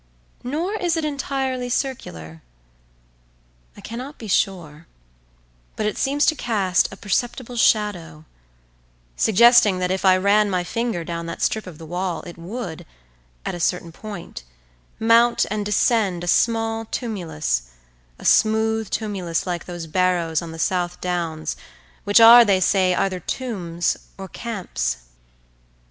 Nor is it entirely circular. I cannot be sure, but it seems to cast a perceptible shadow, suggesting that if I ran my finger down that strip of the wall it would, at a certain point, mount and descend a small tumulus, a smooth tumulus like those barrows on the South Downs which are, they say, either tombs or camps.